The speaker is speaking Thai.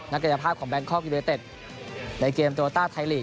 นักการณ์ภาพของแบลงคอล์กยุโดยเต็ดในเกมโตราต้าไทยลีก